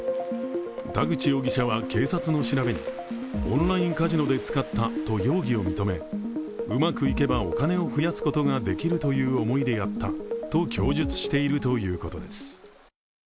田口容疑者は警察の調べにオンラインカジノで使ったと容疑を認め、うまくいけばお金を増やすことができるという思いでやったと供述しているということです。